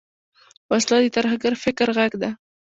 وسله د ترهګر فکر غږ ده